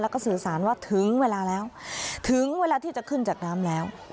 แล้วก็สื่อสารว่าถึงเวลาแล้วถึงเวลาที่จะขึ้นจากน้ำแล้ว